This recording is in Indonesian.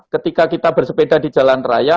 ketika kita bersepeda di jalan raya